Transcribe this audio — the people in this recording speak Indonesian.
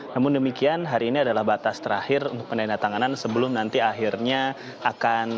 namun demikian hari ini adalah batas terakhir untuk penandatanganan sebelum nanti akhirnya akan